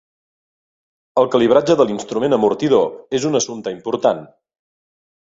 El calibratge de l'instrument amortidor és un assumpte important.